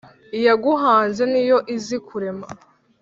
Iyaguhanze niyo izi kurema,